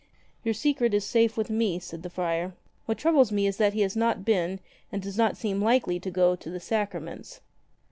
"Your secret is safe with me," said the friar. "What troubles me is that he has not been, and does not seem likely to go, to the sacraments."